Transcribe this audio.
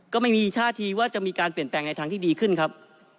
ก็ไม่มีท่าทีว่าจะมีการเปลี่ยนแปลงในทางที่ดีขึ้นครับ